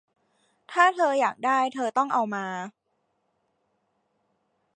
ถ้าเธออยากได้ เธอต้องเอามา